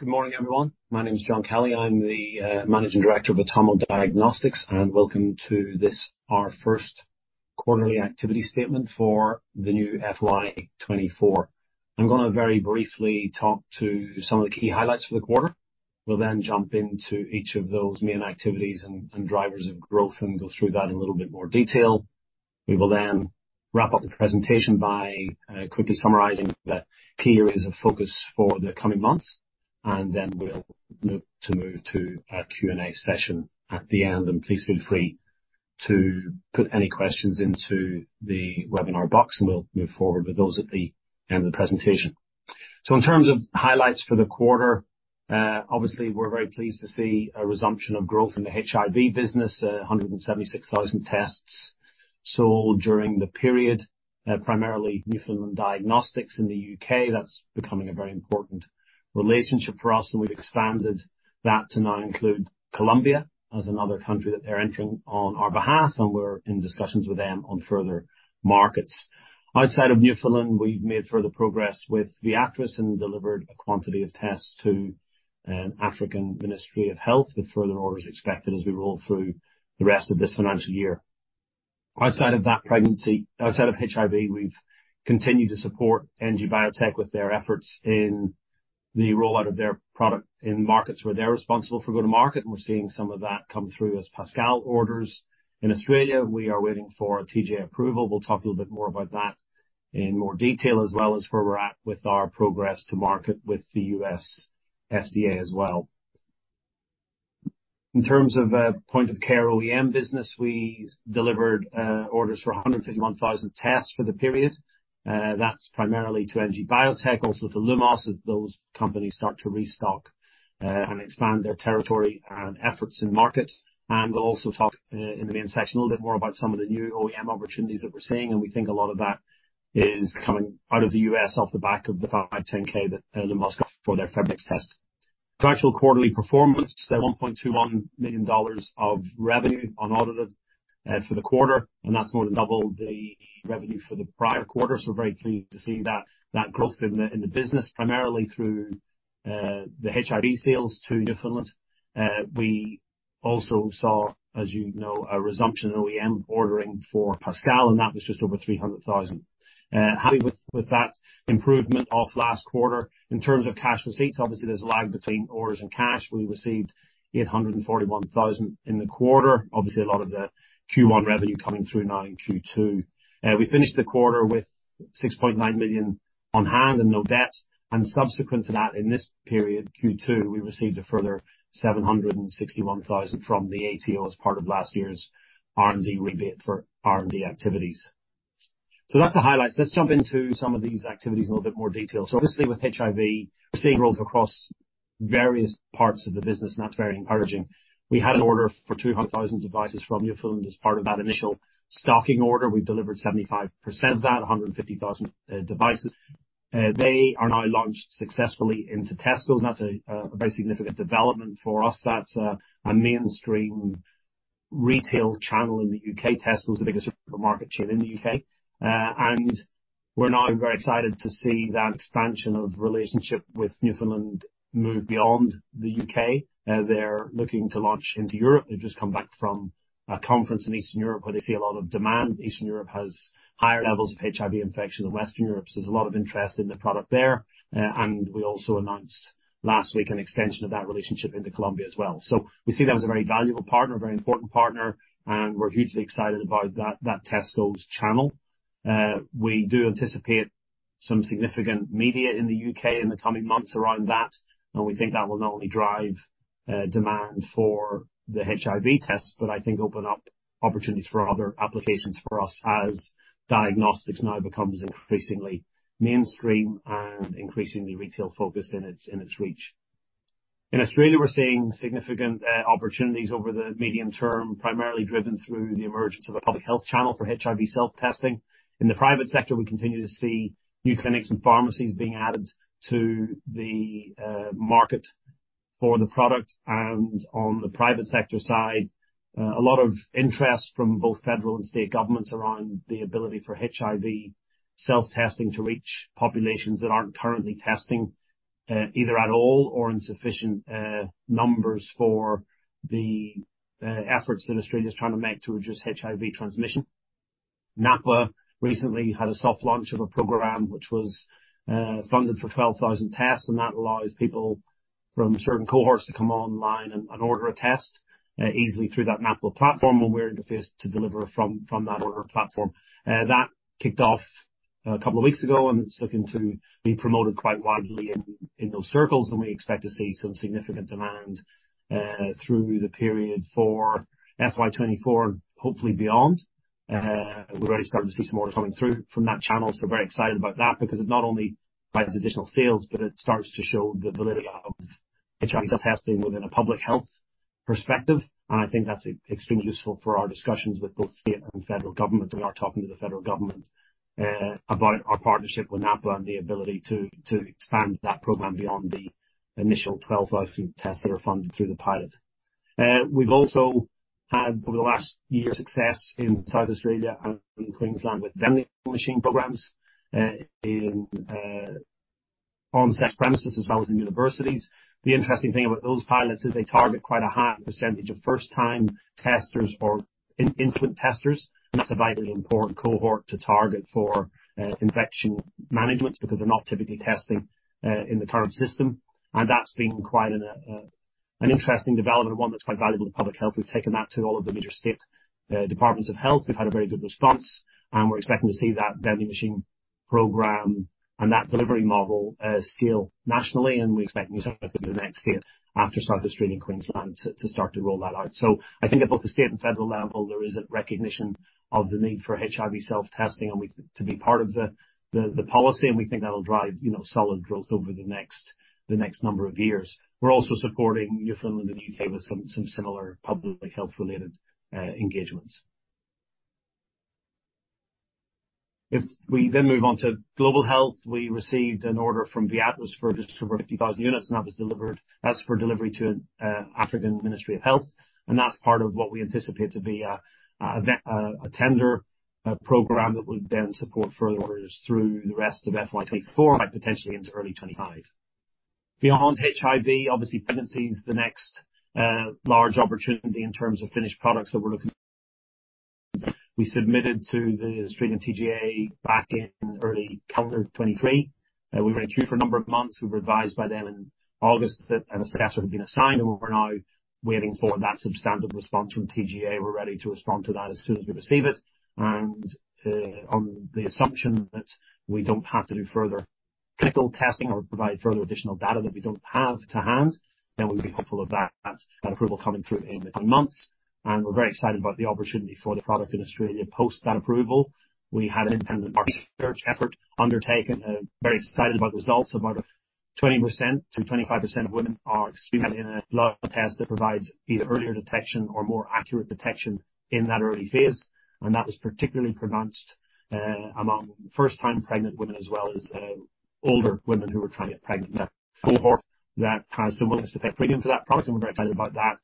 Good morning, everyone. My name is John Kelly. I'm the Managing Director of Atomo Diagnostics, and welcome to this, our first quarterly activity statement for the new FY 2024. I'm gonna very briefly talk to some of the key highlights for the quarter. We'll then jump into each of those main activities and drivers of growth and go through that in a little bit more detail. We will then wrap up the presentation by quickly summarizing the key areas of focus for the coming months, and then we'll look to move to a Q&A session at the end, and please feel free to put any questions into the webinar box, and we'll move forward with those at the end of the presentation. So in terms of highlights for the quarter, obviously, we're very pleased to see a resumption of growth in the HIV business, 176,000 tests sold during the period, primarily Newfoundland Diagnostics in the U.K. That's becoming a very important relationship for us, and we've expanded that to now include Colombia as another country that they're entering on our behalf, and we're in discussions with them on further markets. Outside of Newfoundland, we've made further progress with the Viatris and delivered a quantity of tests to an African Ministry of Health, with further orders expected as we roll through the rest of this financial year. Outside of HIV, we've continued to support NG Biotech with their efforts in the rollout of their product in markets where they're responsible for go-to-market, and we're seeing some of that come through as Pascal orders. In Australia, we are waiting for TGA approval. We'll talk a little bit more about that in more detail, as well as where we're at with our progress to market with the US FDA as well. In terms of a point-of-care OEM business, we delivered orders for 151,000 tests for the period. That's primarily to NG Biotech, also to Lumos, as those companies start to restock and expand their territory and efforts in market. We'll also talk in the main section a little bit more about some of the new OEM opportunities that we're seeing, and we think a lot of that is coming out of the U.S., off the back of the 510(k) that Lumos got for their FebriDx test. Financial quarterly performance, so 1.21 million dollars of revenue unaudited for the quarter, and that's more than double the revenue for the prior quarter. So we're very pleased to see that growth in the business, primarily through the HIV sales to Newfoundland. We also saw, as you know, a resumption in OEM ordering for Pascal, and that was just over 300,000. Happy with that improvement off last quarter. In terms of cash receipts, obviously, there's a lag between orders and cash. We received 841,000 in the quarter. Obviously, a lot of the Q1 revenue coming through now in Q2. We finished the quarter with 6.9 million on hand and no debt, and subsequent to that, in this period, Q2, we received a further 761,000 from the ATO as part of last year's R&D rebate for R&D activities. So that's the highlights. Let's jump into some of these activities in a little bit more detail. So obviously, with HIV, we're seeing growth across various parts of the business, and that's very encouraging. We had an order for 200,000 devices from Newfoundland as part of that initial stocking order. We delivered 75% of that, 150,000 devices. They are now launched successfully into Tesco. That's a very significant development for us. That's a mainstream retail channel in the U.K. Tesco the biggest supermarket chain in the U.K. And we're now very excited to see that expansion of relationship with Newfoundland move beyond the U.K. They're looking to launch into Europe. They've just come back from a conference in Eastern Europe, where they see a lot of demand. Eastern Europe has higher levels of HIV infection than Western Europe, so there's a lot of interest in the product there. And we also announced last week an extension of that relationship into Colombia as well. So we see them as a very valuable partner, a very important partner, and we're hugely excited about that Tesco channel. We do anticipate some significant media in the U.K. in the coming months around that, and we think that will not only drive demand for the HIV test, but I think open up opportunities for other applications for us as diagnostics now becomes increasingly mainstream and increasingly retail focused in its, in its reach. In Australia, we're seeing significant opportunities over the medium term, primarily driven through the emergence of a public health channel for HIV self-testing. In the private sector, we continue to see new clinics and pharmacies being added to the market for the product, and on the private sector side, a lot of interest from both federal and state governments around the ability for HIV self-testing to reach populations that aren't currently testing, either at all or insufficient numbers for the efforts that Australia's trying to make to reduce HIV transmission. NAPWHA recently had a soft launch of a program which was funded for 12,000 tests, and that allows people from certain cohorts to come online and order a test easily through that NAPWHA platform, and we're interface to deliver from that order platform. That kicked off a couple of weeks ago, and it's looking to be promoted quite widely in those circles, and we expect to see some significant demand through the period for FY 2024, hopefully beyond. We're already starting to see some orders coming through from that channel. So we're very excited about that because it not only provides additional sales, but it starts to show the validity of HIV self-testing within a public health perspective. And I think that's extremely useful for our discussions with both state and federal government. We are talking to the federal government about our partnership with NAPWHA and the ability to expand that program beyond the initial 12,000 tests that are funded through the pilot. We've also had, over the last year, success in South Australia and Queensland with vending machine programs, in on-site premises as well as in universities. The interesting thing about those pilots is they target quite a high percentage of first-time testers or infrequent testers, and that's a vitally important cohort to target for infection management, because they're not typically testing in the current system. And that's been quite an interesting development, and one that's quite valuable to public health. We've taken that to all of the major state departments of health. We've had a very good response, and we're expecting to see that vending machine program and that delivery model scale nationally, and we expect new customers in the next year after South Australia and Queensland to start to roll that out. So I think at both the state and federal level, there is a recognition of the need for HIV self-testing, and we to be part of the policy, and we think that'll drive, you know, solid growth over the next number of years. We're also supporting Newfoundland and U.K. with some similar public health-related engagements. If we then move on to global health, we received an order from Viatris for just over 50,000 units, and that was delivered. That's for delivery to an African ministry of health, and that's part of what we anticipate to be a tender program that will then support further orders through the rest of FY 2024, potentially into early 2025. Beyond HIV, obviously, pregnancy is the next large opportunity in terms of finished products that we're looking. We submitted to the Australian TGA back in early calendar 2023, and we were reviewed for a number of months. We were advised by them in August that an assessor had been assigned, and we're now waiting for that substantive response from TGA. We're ready to respond to that as soon as we receive it. And, on the assumption that we don't have to do further clinical testing or provide further additional data that we don't have to hand, then we'll be hopeful of that, that approval coming through in the coming months. And we're very excited about the opportunity for the product in Australia post that approval. We had an independent research effort undertaken, and very excited about the results. About 20%-25% of women are extremely in a blood test that provides either earlier detection or more accurate detection in that early phase. That was particularly pronounced, among first-time pregnant women, as well as older women who were trying to get pregnant. That cohort that has some willingness to pay premium for that product, and we're very excited about that,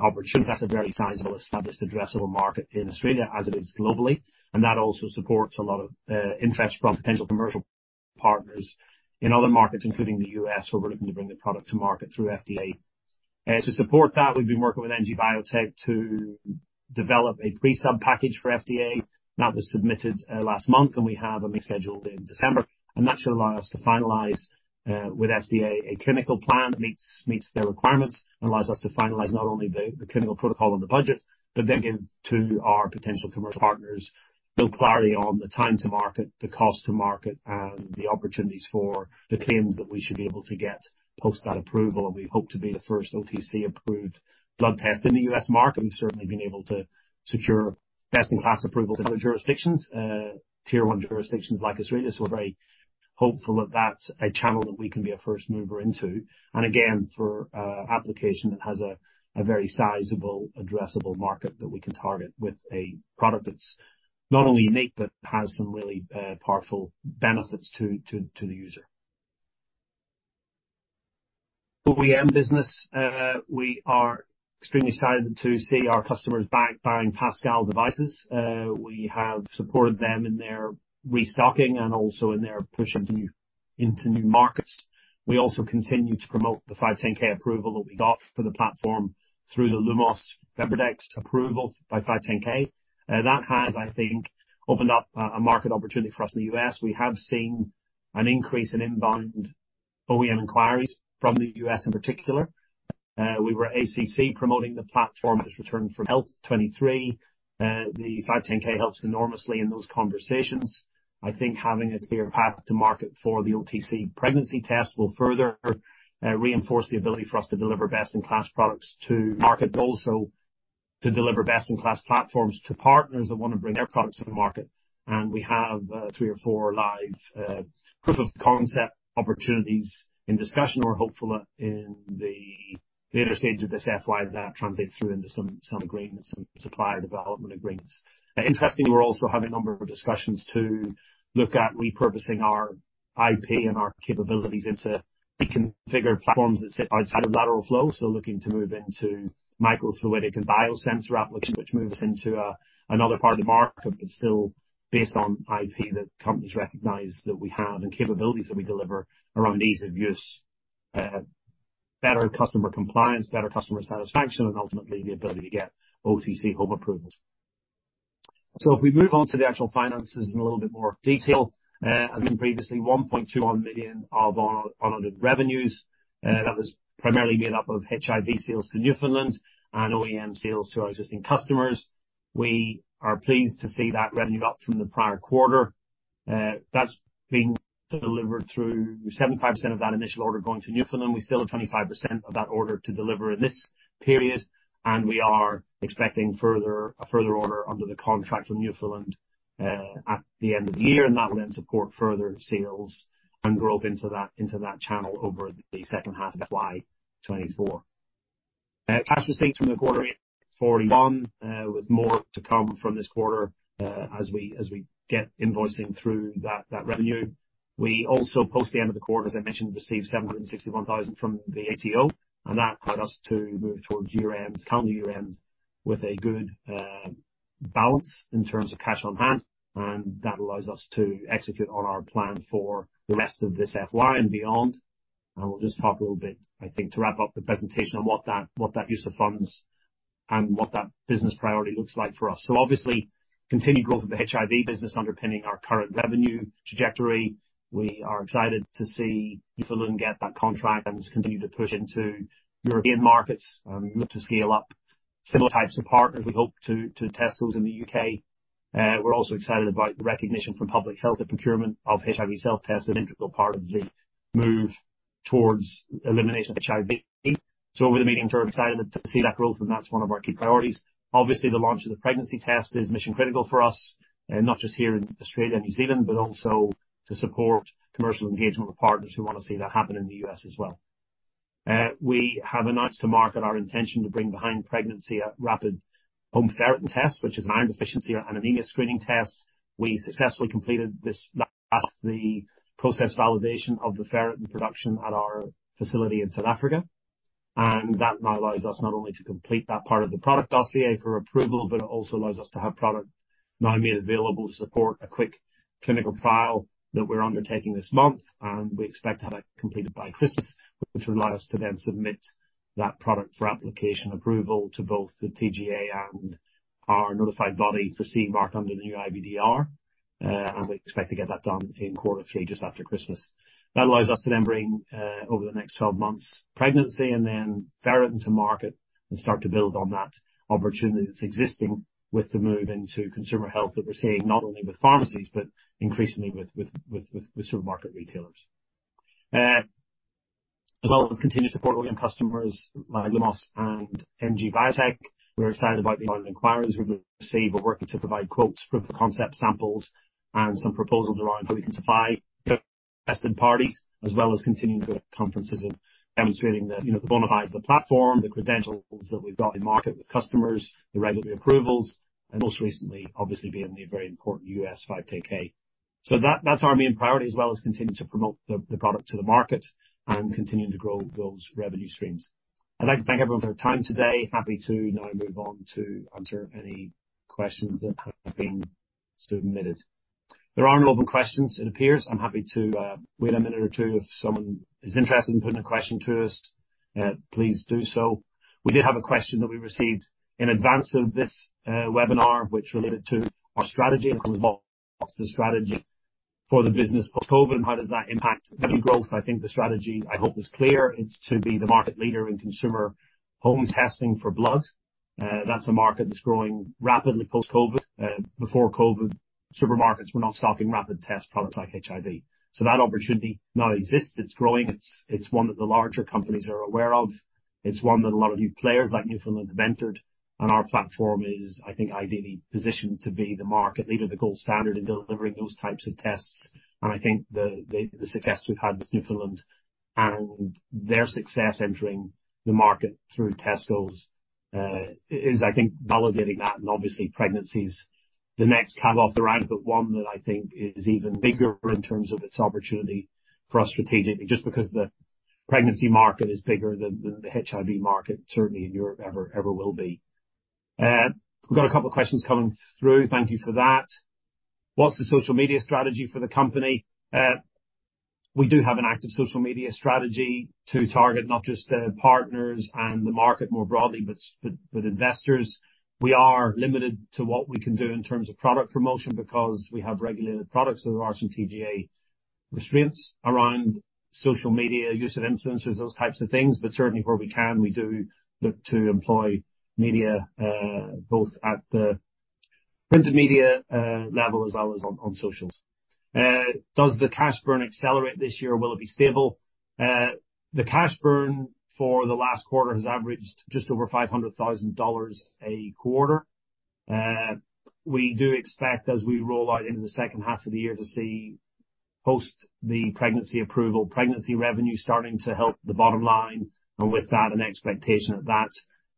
opportunity. That's a very sizable, established, addressable market in Australia, as it is globally. That also supports a lot of interest from potential commercial partners in other markets, including the U.S., where we're looking to bring the product to market through FDA. To support that, we've been working with NG Biotech to develop a pre-sub package for FDA. That was submitted last month, and we have a meeting scheduled in December, and that should allow us to finalize with FDA a clinical plan that meets their requirements and allows us to finalize not only the clinical protocol and the budget, but then give to our potential commercial partners build clarity on the time to market, the cost to market, and the opportunities for the claims that we should be able to get post that approval. And we hope to be the first OTC-approved blood test in the U.S. market. We've certainly been able to secure best-in-class approval in other jurisdictions, tier one jurisdictions like Australia, so we're very hopeful that that's a channel that we can be a first mover into. Again, for an application that has a very sizable addressable market that we can target with a product that's not only unique, but has some really powerful benefits to the user. OEM business, we are extremely excited to see our customers back buying Pascal devices. We have supported them in their restocking and also in their push into new markets. We also continue to promote the 510(k) approval that we got for the platform through the Lumos FebriDx approval by 510(k). That has, I think, opened up a market opportunity for us in the U.S. We have seen an increase in inbound OEM inquiries from the U.S. in particular. We were at AACC, promoting the platform, just returned from HLTH 23. The 510(k) helps enormously in those conversations. I think having a clear path to market for the OTC pregnancy test will further reinforce the ability for us to deliver best-in-class products to market, but also to deliver best-in-class platforms to partners that want to bring their products to the market. And we have three or four live proof of concept opportunities in discussion. We're hopeful that in the later stages of this FY, that translates through into some agreements, some supply development agreements. Interestingly, we're also having a number of discussions to look at repurposing our IP and our capabilities into deconfigured platforms that sit outside of lateral flow. So looking to move into microfluidic and biosensor applications, which move us into another part of the market, but still based on IP that companies recognize that we have and capabilities that we deliver around ease of use, better customer compliance, better customer satisfaction, and ultimately, the ability to get OTC home approvals. So if we move on to the actual finances in a little bit more detail, as in previously, 1.21 million of unaudited revenues, that was primarily made up of HIV sales to Newfoundland and OEM sales to our existing customers. We are pleased to see that revenue up from the prior quarter. That's been delivered through 75% of that initial order going to Newfoundland. We still have 25% of that order to deliver in this period, and we are expecting a further order under the contract with Newfoundland at the end of the year, and that will then support further sales and growth into that channel over the second half of FY 2024. Cash receipts from the quarter 41, with more to come from this quarter as we get invoicing through that revenue. We also, post the end of the quarter, as I mentioned, received 761,000 from the ATO, and that allowed us to move towards year-end, calendar year-end, with a good balance in terms of cash on hand, and that allows us to execute on our plan for the rest of this FY and beyond. We'll just talk a little bit, I think, to wrap up the presentation, on what that, what that use of funds and what that business priority looks like for us. So obviously, continued growth of the HIV business underpinning our current revenue trajectory. We are excited to see Newfoundland get that contract and continue to push into European markets and look to scale up similar types of partners. We hope to, to test those in the U.K. We're also excited about the recognition from public health and procurement of HIV self-tests, an integral part of the move towards elimination of HIV. So over the medium term, excited to see that growth, and that's one of our key priorities. Obviously, the launch of the pregnancy test is mission critical for us, not just here in Australia and New Zealand, but also to support commercial engagement with partners who want to see that happen in the U.S. as well. We have announced to market our intention to bring behind pregnancy a rapid home ferritin test, which is an iron deficiency and anemia screening test. We successfully completed the process validation of the ferritin production at our facility in South Africa, and that now allows us not only to complete that part of the product dossier for approval, but it also allows us to have product now made available to support a quick clinical trial that we're undertaking this month. We expect to have it completed by Christmas, which will allow us to then submit that product for application approval to both the TGA and our notified body for CE Mark under the new IVDR. We expect to get that done in quarter three, just after Christmas. That allows us to then bring, over the next 12 months, pregnancy and then ferritin to market and start to build on that opportunity that's existing with the move into consumer health that we're seeing, not only with pharmacies, but increasingly with supermarket retailers. As well as continued support volume customers like Lumos and NG Biotech. We're excited about the amount of inquiries we've received. We're working to provide quotes for the concept samples and some proposals around how we can supply tested parties, as well as continuing good conferences of demonstrating the, you know, the bona fides of the platform, the credentials that we've got in market with customers, the regulatory approvals, and most recently, obviously, being the very important U.S. 510(k). So that's our main priority, as well as continuing to promote the, the product to the market and continuing to grow those revenue streams. I'd like to thank everyone for their time today. Happy to now move on to answer any questions that have been submitted. There are no open questions, it appears. I'm happy to wait a minute or two if someone is interested in putting a question to us, please do so. We did have a question that we received in advance of this webinar, which related to our strategy and the strategy for the business post-COVID, and how does that impact the new growth? I think the strategy, I hope, is clear. It's to be the market leader in consumer home testing for blood. That's a market that's growing rapidly post-COVID. Before COVID, supermarkets were not stocking rapid test products like HIV. So that opportunity now exists. It's growing. It's one that the larger companies are aware of. It's one that a lot of new players, like Newfoundland, have entered, and our platform is, I think, ideally positioned to be the market leader, the gold standard in delivering those types of tests. I think the success we've had with Newfoundland and their success entering the market through Tesco's is, I think, validating that, and obviously pregnancy is the next cab off the rank, but one that I think is even bigger in terms of its opportunity for us strategically, just because the pregnancy market is bigger than the HIV market, certainly in Europe, ever will be. We've got a couple of questions coming through. Thank you for that. "What's the social media strategy for the company?" We do have an active social media strategy to target not just the partners and the market more broadly, but investors. We are limited to what we can do in terms of product promotion, because we have regulated products, so there are some TGA restraints around social media, use of influencers, those types of things. Certainly where we can, we do look to employ media, both at the printed media level as well as on, on socials. "Does the cash burn accelerate this year or will it be stable?" The cash burn for the last quarter has averaged just over 500,000 dollars a quarter. We do expect, as we roll out into the second half of the year, to see post the pregnancy approval, pregnancy revenue starting to help the bottom line, and with that, an expectation that,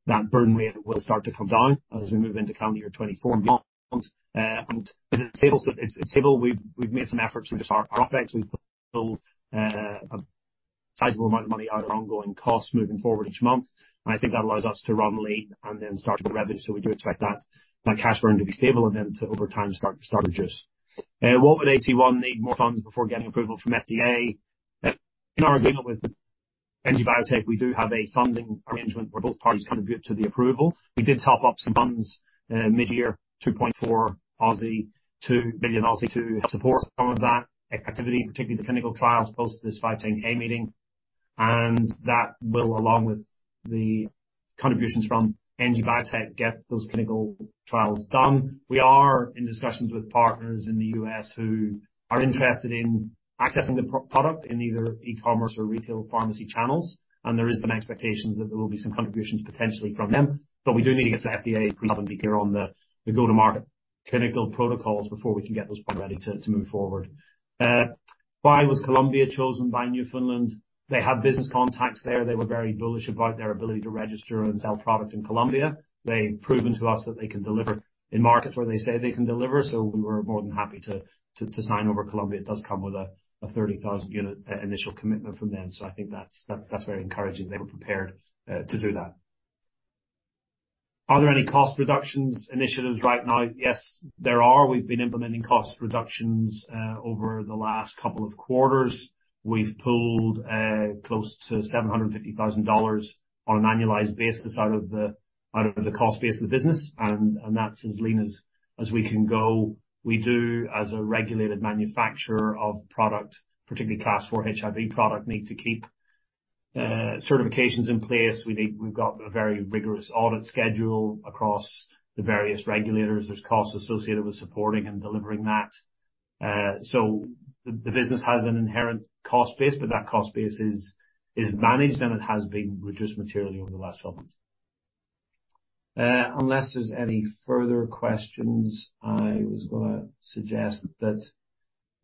that burn rate will start to come down as we move into calendar year 2024 months. It's stable. So it's, it's stable. We've, we've made some efforts with just our OpEx. We've built a sizable amount of money out of ongoing costs moving forward each month, and I think that allows us to run lean and then start to get revenue. So we do expect that cash burn to be stable and then to, over time, start to juice. "What would AT1 need more funds before getting approval from FDA?" In our agreement with NG Biotech, we do have a funding arrangement where both parties contribute to the approval. We did top up some funds mid-year, 2.4 million, to help support some of that activity, particularly the clinical trials, post this 510(k) meeting. And that will, along with the contributions from NG Biotech, get those clinical trials done. We are in discussions with partners in the U.S. who are interested in accessing the product in either e-commerce or retail pharmacy channels, and there is some expectations that there will be some contributions potentially from them. But we do need to get the FDA approval to be clear on the go-to-market clinical protocols before we can get those ready to move forward. Why was Colombia chosen by Newfoundland? They had business contacts there. They were very bullish about their ability to register and sell product in Colombia. They've proven to us that they can deliver in markets where they say they can deliver, so we were more than happy to sign over Colombia. It does come with a 30,000-unit initial commitment from them, so I think that's very encouraging they were prepared to do that. Are there any cost reductions initiatives right now? Yes, there are. We've been implementing cost reductions over the last couple of quarters. We've pulled close to 750,000 dollars on an annualized basis out of the cost base of the business, and that's as lean as we can go. We do, as a regulated manufacturer of product, particularly Class IV HIV product, need to keep certifications in place. We've got a very rigorous audit schedule across the various regulators. There's costs associated with supporting and delivering that. So the business has an inherent cost base, but that cost base is managed, and it has been reduced materially over the last 12 months. Unless there's any further questions, I was gonna suggest that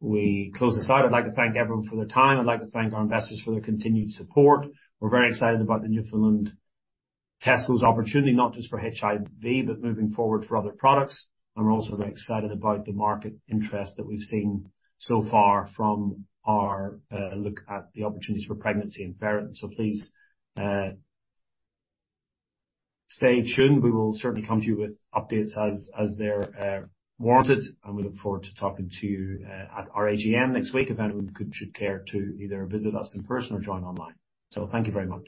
we close this out. I'd like to thank everyone for their time. I'd like to thank our investors for their continued support. We're very excited about the Newfoundland Diagnostics opportunity, not just for HIV, but moving forward for other products. And we're also very excited about the market interest that we've seen so far from our look at the opportunities for pregnancy and fertility. So please, stay tuned. We will certainly come to you with updates as they're warranted, and we look forward to talking to you at our AGM next week, if anyone should care to either visit us in person or join online. So thank you very much.